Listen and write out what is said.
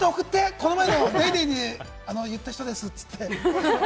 この前の『ＤａｙＤａｙ．』に言った人です！って言って。